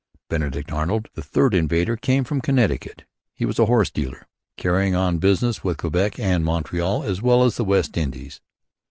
Benedict Arnold, the third invader, came from Connecticut. He was a horse dealer carrying on business with Quebec and Montreal as well as the West Indies.